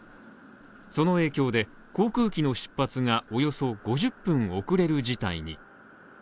その影響で航空機の出発がおよそ５０分遅れる事態に。